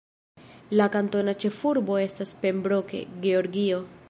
La kantona ĉefurbo estas Pembroke, Georgio.